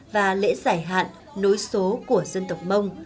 và lễ giải hạn nối số của dân tộc mông